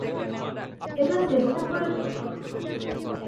এটা চেষ্টা করে দেখি।